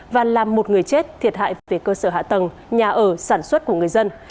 và làm một người chết thiệt hại về cơ sở hạ tầng nhà ở sản xuất của người dân